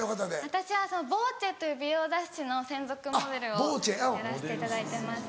私は『ヴォーチェ』という美容雑誌の専属モデルをやらせていただいてます。